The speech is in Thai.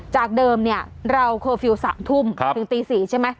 จากเดิมเนี่ยเราเคอร์ฟิวสามทุ่มครับถึงตีสี่ใช่ไหม